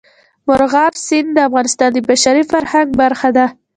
مورغاب سیند د افغانستان د بشري فرهنګ برخه ده.